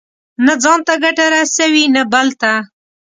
نه ځان ته ګټه رسوي، نه بل ته.